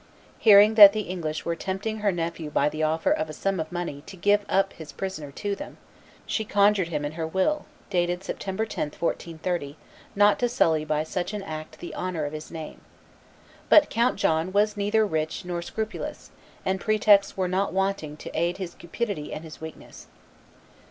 Hearing that the English were tempting her nephew by the offer of a sum of money to give up his prisoner to them, she conjured him in her will, dated September 10, 1430, not to sully by such an act the honor of his name. But Count John was neither rich nor scrupulous; and pretexts were not wanting to aid his cupidity and his weakness.